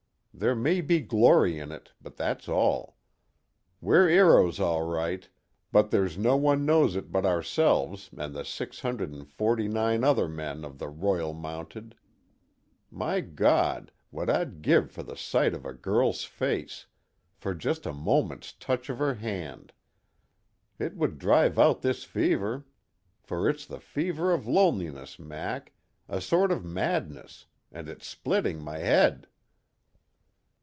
There may be glory in it, but that's all. We're 'eroes all right, but there's no one knows it but ourselves and the six hundred and forty nine other men of the Royal Mounted. My God, what I'd give for the sight of a girl's face, for just a moment's touch of her hand! It would drive out this fever, for it's the fever of loneliness, Mac a sort of madness, and it's splitting my 'ead."